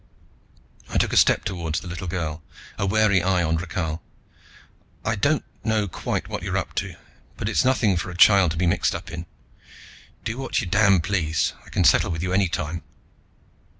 I took a step toward the little girl, a wary eye on Rakhal. "I don't know quite what you're up to, but it's nothing for a child to be mixed up in. Do what you damn please. I can settle with you any time.